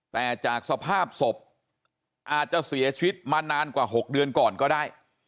แต่จากสภาพศพอาจจะเสียชีวิตมานานกว่า๖เดือนก่อนก็ได้